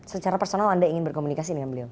secara personal anda ingin berkomunikasi dengan beliau